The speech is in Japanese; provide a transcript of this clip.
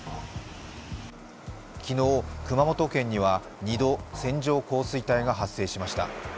昨日、熊本県には２度、線状降水帯が発生しました。